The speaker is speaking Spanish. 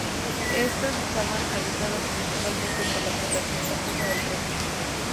Estas estaban habitadas principalmente por la población francesa del puesto.